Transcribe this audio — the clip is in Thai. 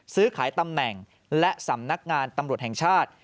ซื้อขายตำแหน่งและสำนักงานตำรวจแห่งชาติ